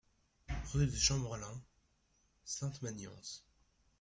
Rue de Champmorlin, Sainte-Magnance